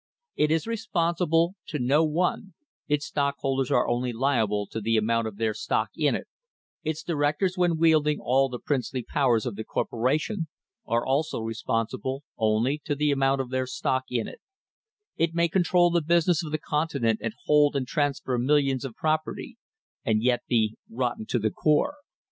It is responsible to no one; its stockholders are only liable to the amount of their stock in it; its directors, when wielding all the princely powers of the corporation, are also responsible only to the amount of their stock in it; it may control the business of the continent and hold and transfer millions of property, and yet be rotten to the core.